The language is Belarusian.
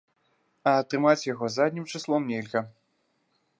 А атрымаць яго заднім чыслом нельга.